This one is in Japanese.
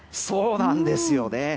そうなんですよね。